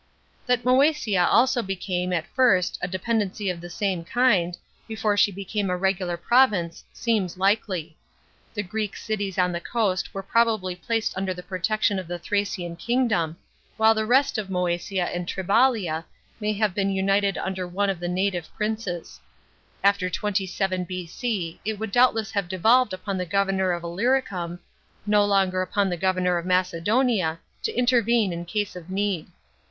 That Moesia also became, at first, a dependency of the same kind, before she became a regular province, seems likely. The Greek cities on the coast were probably placed under the protection of the Thracian kingdom, while the rest of Mcesia and Triballia may have been united under one of the native princes.f After 27 B.C. it would doubtless have devolved upon the governor of lilyricum, no longer upon the governor of Macedonia, to intervene in case of need.